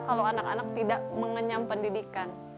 kalau anak anak tidak mengenyam pendidikan